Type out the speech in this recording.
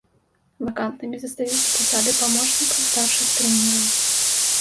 Вакантнымі застаюцца пасады памочнікаў старшых трэнераў.